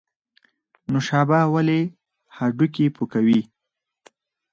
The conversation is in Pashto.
نوشابه ولې هډوکي پوکوي؟